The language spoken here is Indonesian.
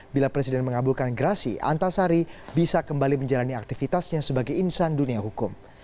bila presiden mengabulkan gerasi antasari bisa kembali menjalani aktivitasnya sebagai insan dunia hukum